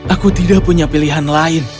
aku tidak punya pilihan lain